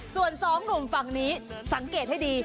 ส่วนสองหนุ่มสังเกตให้ดี